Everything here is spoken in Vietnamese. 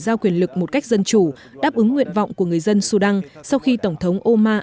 giao quyền lực một cách dân chủ đáp ứng nguyện vọng của người dân sudan sau khi tổng thống omar